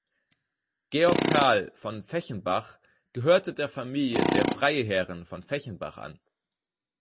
Georg Karl von Fechenbach gehörte der Familie der Freiherren von Fechenbach an.